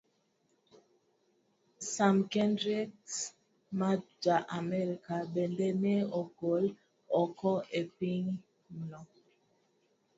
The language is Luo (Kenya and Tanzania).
Sam Kendrieks ma Ja-Amerka bende ne ogol oko e piemno.